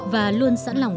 và luôn sẵn lòng